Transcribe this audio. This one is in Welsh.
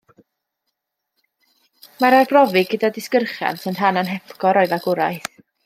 Mae arbrofi gyda disgyrchiant yn rhan anhepgor o'i fagwraeth.